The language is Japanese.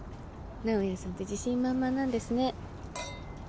直哉さんって自信満々なんですね。